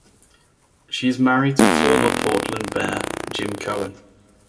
She is married to former Portland Mayor Jim Cohen.